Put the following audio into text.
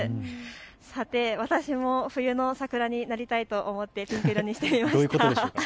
さて私も冬の桜になりたいと思ってピンク色を着てみました。